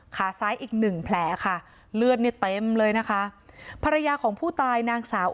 ขาซ้ายอีกหนึ่งแผลค่ะเลือดเนี่ยเต็มเลยนะคะภรรยาของผู้ตายนางสาว